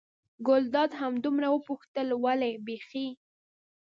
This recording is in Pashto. ګلداد همدومره وپوښتل: ولې بېخي.